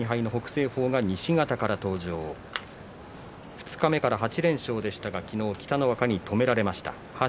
青鵬が西方から登場二日目から８連勝でしたが昨日、北の若に止められました。